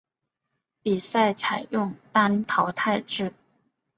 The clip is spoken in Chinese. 比赛采用单淘汰制。